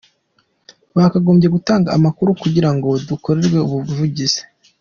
bakagombye gutanga amakuru kugira ngo dukorerwe ubuvugizi .